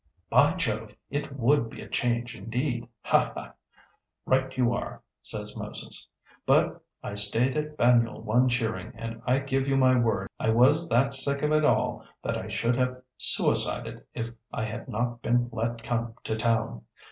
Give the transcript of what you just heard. "By Jove! It would be a change indeed! Ha, ha! 'Right you are, says Moses.' But I stayed at Banyule one shearing, and I give you my word I was that sick of it all that I should have suicided if I had not been let come to town.